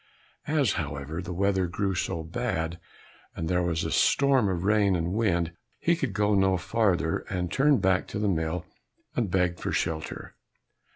As, however, the weather grew so bad and there was a storm of rain and wind, he could go no farther, and turned back to the mill and begged for shelter.